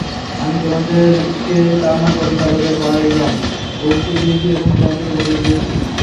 আমি তোমাদেরকে আমার প্রতিপালকের পয়গাম পৌঁছিয়ে দিয়েছি এবং তোমাদের উপদেশ দিয়েছি।